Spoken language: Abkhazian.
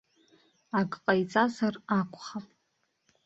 Ак ҟаиҵазар акәхап.